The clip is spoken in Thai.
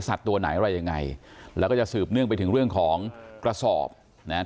ตัวไหนอะไรยังไงแล้วก็จะสืบเนื่องไปถึงเรื่องของกระสอบนะฮะ